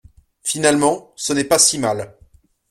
Finalement, ce n'est pas si mal.